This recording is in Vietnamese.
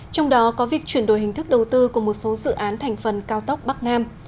trong đó có việc chuyển đổi hình thức đầu tư của một số dự án thành phần cao tốc bắc nam